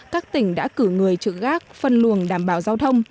các tỉnh đã cử người trực gác phân luồng đảm bảo giao thông